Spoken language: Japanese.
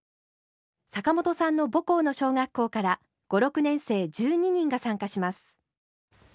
坂本さんの母校の小学校から５６年生１２人が参加します。